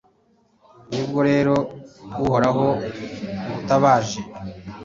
Ni bwo rero Uhoraho ngutabaje